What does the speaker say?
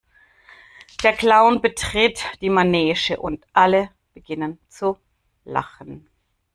Der Clown betritt die Manege und alle beginnen zu Lachen.